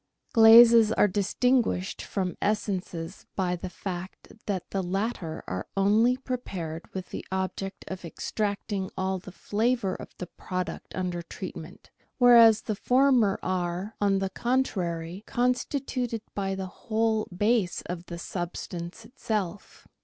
Glazes are distinguished from essences by the fact that the latter are only prepared with the object of extracting all the flavour of the product under treatment, whereas the former are, on the contrary, constituted by the whole base of the substance itself.